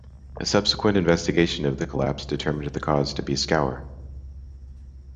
A subsequent investigation of the collapse determined the cause to be scour.